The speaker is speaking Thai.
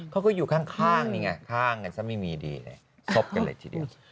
เขาก็อยู่ข้างนี่ไงข้างกันซะไม่มีดีเลยครบกันเลยทีเดียว